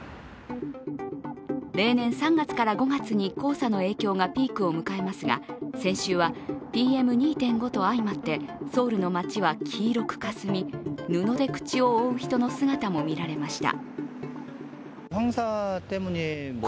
例年３５月に黄砂の影響がピークを迎えますが先週はＰＭ２．５と相まってソウルの街は黄色くかすみ、布で口を覆う人の姿も見られました。